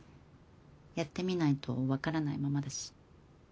やってみないとわからないままだし。